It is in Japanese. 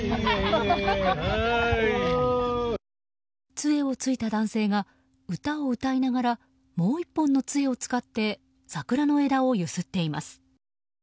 杖をついた男性が歌を歌いながらもう１本の杖を使って桜の枝を揺すっています。